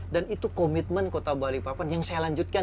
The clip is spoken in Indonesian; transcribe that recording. dan itu komitmen kota balikpapan yang saya lanjutkan